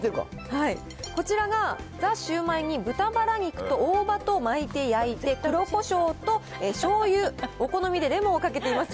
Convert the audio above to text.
こちらがザ・シュウマイに豚バラ肉と大葉とを巻いて、焼いて黒コショウとしょうゆ、お好みでレモンをかけています。